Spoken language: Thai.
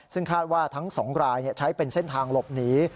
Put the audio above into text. ซึ่งคาดว่าทั้ง๒รายใช้เป็นเส้นทางหลบหนี